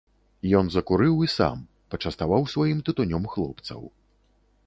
Ён закурыў і сам, пачаставаў сваім тытунём хлопцаў.